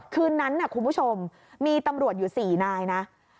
คืนนั้นคุณผู้ชมมีตำรวจอยู่๔นายนะ